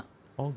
oh gitu ya